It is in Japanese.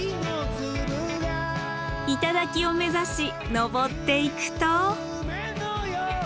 頂を目指し登っていくと。